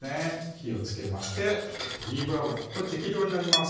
火をつけましてオリーブ油これ適量になります